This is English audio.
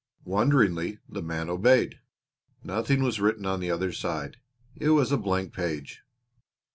Wonderingly the man obeyed. Nothing was written on the other side. It was a blank page.